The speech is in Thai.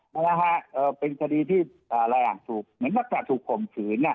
เนี่ยนะฮะเป็นคดีที่อะไรอย่างถูกเหมือนมักการถูกข่มขืนน่ะ